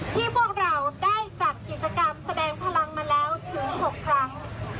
พวกเราได้จัดกิจกรรมแสดงพลังมาแล้วถึง๖ครั้ง